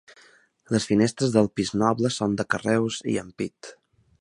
Les finestres del pis noble són de carreus i ampit.